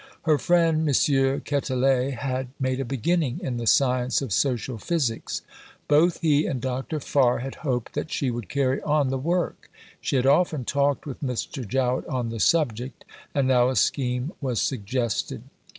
Her friend M. Quetelet had made a beginning in the science of "Social Physics." Both he and Dr. Farr had hoped that she would carry on the work. She had often talked with Mr. Jowett on the subject, and now a scheme was suggested.